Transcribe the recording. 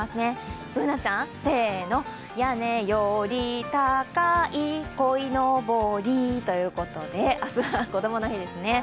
Ｂｏｏｎａちゃん、せーの、屋根より高いこいのぼり、ということで、明日は、こどもの日ですね。